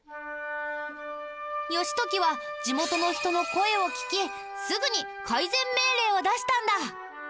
義時は地元の人の声を聞きすぐに改善命令を出したんだ。